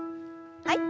はい。